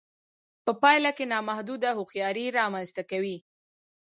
په پايله کې نامحدوده هوښياري رامنځته کوي.